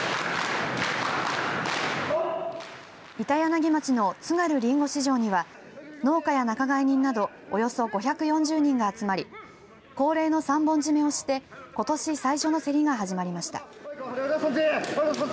板柳町の津軽りんご市場には農家や仲買人などおよそ５４０人が集まり恒例の三本締めをしてことし最初の競りが始まりました。